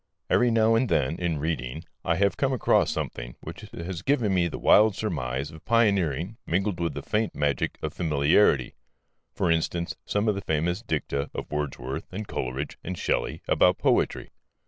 Every now and then, in reading, I have come across something which has given me the wild surmise of pioneering mingled with the faint magic of familiarity for instance, some of the famous dicta of Wordsworth and Coleridge and Shelley about poetry.